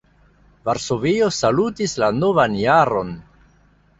Varsovio salutis la novan jaron.